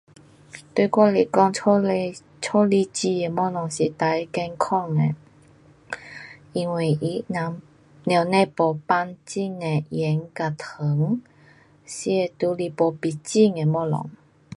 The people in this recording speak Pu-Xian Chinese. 对我来说家里家里煮的东西是最健康的，因为 [unintelligible] 妈妈不放 [unintelligible] 盐或糖，吃的都是没有味精的东西